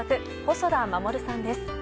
細田守さんです。